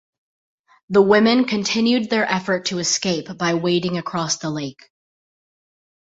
The women continued their effort to escape by wading across the lake.